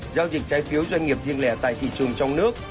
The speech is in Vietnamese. giao dịch trái phiếu doanh nghiệp riêng lẻ tại thị trường trong nước